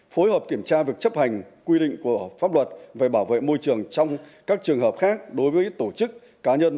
phối hợp kiểm tra việc chấp hành quy định của pháp luật về bảo vệ môi trường trong các trường hợp khác đối với tổ chức cá nhân